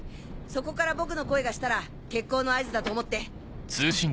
そこから僕の声がしたら決行の合図だと思って。